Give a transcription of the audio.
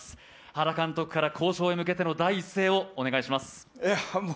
原監督から、交渉に向けての第一声をお願いいたします。